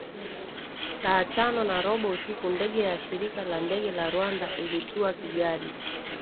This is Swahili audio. Saa tano na robo usiku ndege ya shirika la ndege la Rwanda ilitua Kigali